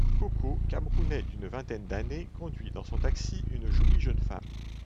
Coco, camerounais d’une vingtaine d’années conduit dans son taxi une jolie jeune femme.